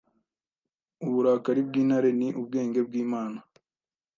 Uburakari bw'intare ni ubwenge bw'Imana.